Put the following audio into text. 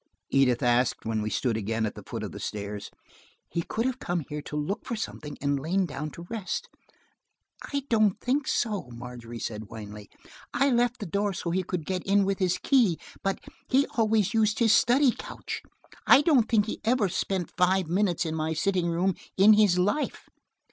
Edith asked, when we stood again at the foot of the stairs. "He could have come here to look for something, and lain down to rest." "I don't think so," Margery said wanly. "I left the door so he could get in with his key, but–he always used his study coach. I don't think he ever spent five minutes in my sitting room in his life."